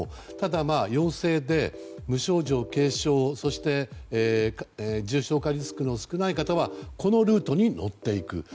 ただ、陽性で無症状、軽症そして重症化リスクの少ない方はこのルートに乗っていく。